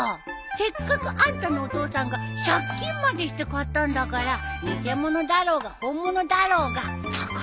せっかくあんたのお父さんが借金までして買ったんだから偽物だろうが本物だろうが宝物だよ。